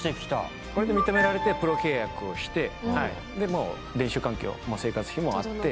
これで認められてプロ契約をしてでもう練習環境も生活費もあって。